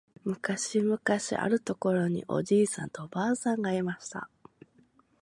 むかしむかしあるところにおじいさんとおばあさんがいました。